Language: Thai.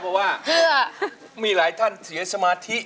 เพราะว่ามีหลายท่านเสียสมาธิ